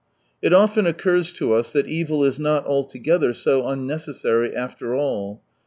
— It often ! occurs to us that evil is not altogether so unnecessary, after all.